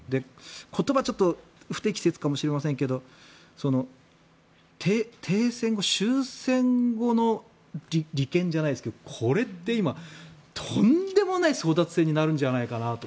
言葉、ちょっと不適切かもしれませんが停戦後、終戦後の利権じゃないですがこれって今、とんでもない争奪戦になるんじゃないかなと。